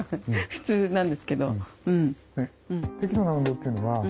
普通なんですけど。